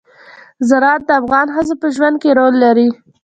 زراعت د افغان ښځو په ژوند کې رول لري.